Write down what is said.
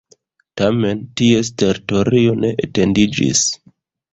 Tamen ties teritorio ne etendiĝis.